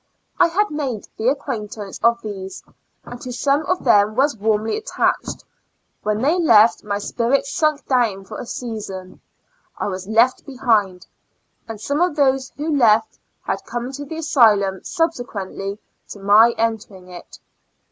I had made the acquaintance of these, and to some of them was warmly attached; when they left my spirits sunk down for a season. I was left behind, and some of those who left had IN A L UNA TIC ASTL mi. W^ come into the asylum subsequent!}^ to my entering it.